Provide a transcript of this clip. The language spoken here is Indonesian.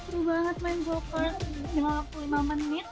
wah seru banget main go kart dengan waktu lima menit